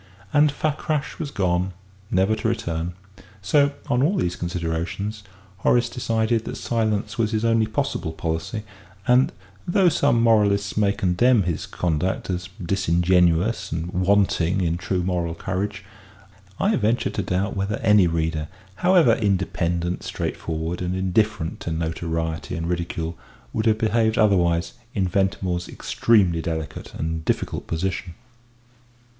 And Fakrash was gone, never to return. So, on all these considerations, Horace decided that silence was his only possible policy, and, though some moralists may condemn his conduct as disingenuous and wanting in true moral courage, I venture to doubt whether any reader, however independent, straightforward, and indifferent to notoriety and ridicule, would have behaved otherwise in Ventimore's extremely delicate and difficult position.